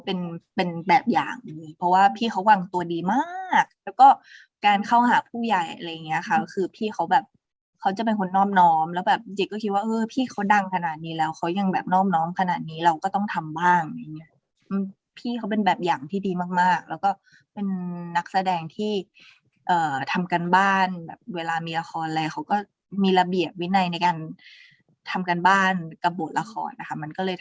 เป็นเป็นแบบอย่างดีเพราะว่าพี่เขาวางตัวดีมากแล้วก็การเข้าหาผู้ใหญ่อะไรอย่างเงี้ยค่ะคือพี่เขาแบบเขาจะเป็นคนนอบน้อมแล้วแบบเจ๊ก็คิดว่าเออพี่เขาดังขนาดนี้แล้วเขายังแบบนอบน้อมขนาดนี้เราก็ต้องทำบ้างอย่างเงี้ยพี่เขาเป็นแบบอย่างที่ดีมากมากแล้วก็เป็นนักแสดงที่เอ่อทำการบ้านแบบเวลามีละครอะไรเขาก็มีระเบียบวินัยในการทำการบ้านกับบทละครนะคะมันก็เลยท